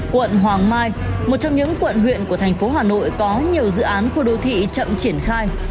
quận hoàng mai một trong những quận huyện của thành phố hà nội có nhiều dự án khu đô thị chậm triển khai